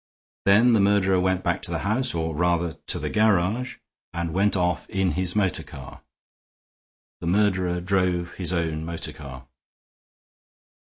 Then the murderer went back to the house, or, rather, to the garage, and went off in his motor car. The murderer drove his own motor car."